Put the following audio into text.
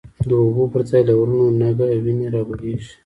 د اوبو پر ځای له غرونو، نګه وینی رابهیږی